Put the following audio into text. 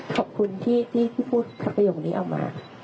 ขอบคุณที่พูดคำประโยคนี้ออกมา